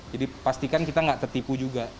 jadi pastikan kita nggak tertipu juga